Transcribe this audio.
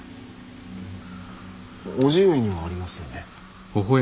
叔父上にはありますよね。